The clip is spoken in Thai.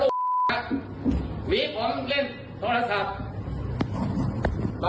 หูเตือนแล้วนะ